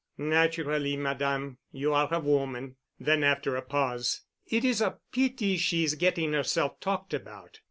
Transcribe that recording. "Naturally, madame. You are a woman." Then, after a pause, "It is a pity she's getting herself talked about."